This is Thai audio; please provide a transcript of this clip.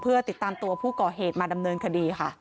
เพื่อติดตามตัวผู้ก่อเหตุมาดำเนินคดีค่ะ